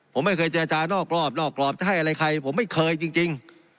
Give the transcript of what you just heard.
ผมไม่เคยเจรจานอกรอบนอกกรอบจะให้อะไรใครผมไม่เคยจริง